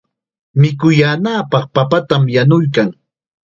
Mikuyaananpaq papatam yanuykan.